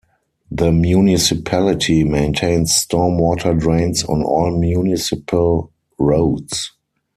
The municipality maintains stormwater drains on all municipal roads.